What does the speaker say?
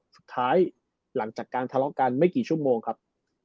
หลังจากการทะเลาะกันไม่กี่ชั่วโมงครับ